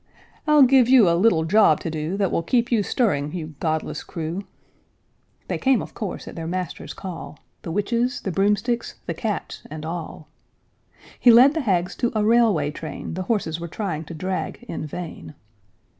I'll give you a little job to do That will keep you stirring, you godless crew!" They came, of course, at their master's call, The witches, the broomsticks, the cats, and all; He led the hags to a railway train The horses were trying to drag in vain.